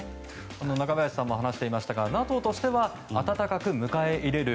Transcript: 中林さんも話していましたがＮＡＴＯとしては温かく迎え入れる。